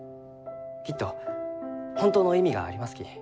きっと本当の意味がありますき。